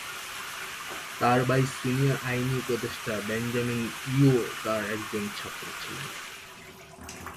তার ভাই সিনিয়র আইনি উপদেষ্টা বেঞ্জামিন ইউ ও তার একজন ছাত্র ছিলেন।